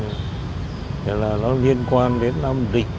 nó liên quan đến nam định